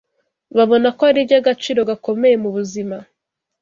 babona ko ari iby’agaciro gakomeye mu buzima